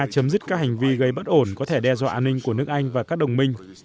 chấm dứt các hành vi gây bất ổn có thể đe dọa an ninh của nước anh và các đồng minh